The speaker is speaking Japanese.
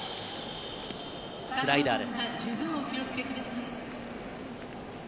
スライダーです。